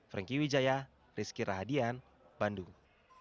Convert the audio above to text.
franky wijaya rizky rahadian bandung